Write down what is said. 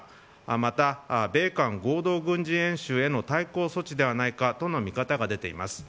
また米韓合同軍事演習への対抗措置ではないかとの見方が出ています。